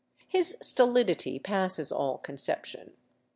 His stolidity passes all conception.